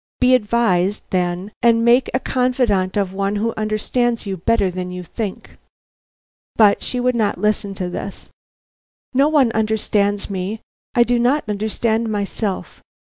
Be advised, then, and make a confidant of one who understands you better than you think." But she would not listen to this. "No one understands me. I do not understand myself.